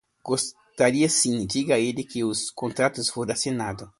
Gostaria sim. Diga a ele que os contratos foram assinados.